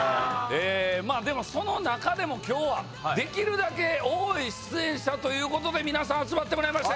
その中でも今日はできるだけ多い出演者皆さん集まってもらいました。